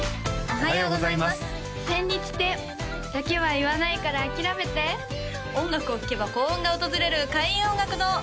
おはようございます千日手だけは言わないから諦めて音楽を聴けば幸運が訪れる開運音楽堂